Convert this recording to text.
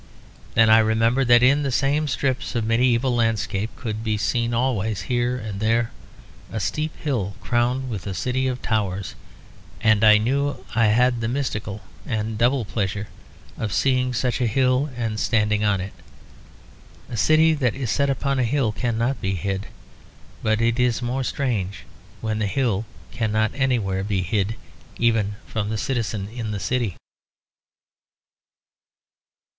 Then I remembered that in the same strips of medieval landscape could be seen always, here and there, a steep hill crowned with a city of towers. And I knew I had the mystical and double pleasure of seeing such a hill and standing on it. A city that is set upon a hill cannot be hid; but it is more strange when the hill cannot anywhere be hid, even from the citizen in the city.